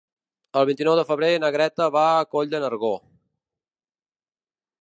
El vint-i-nou de febrer na Greta va a Coll de Nargó.